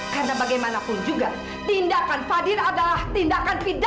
karena bagaimanapun juga tindakan fadil adalah tindakan pidana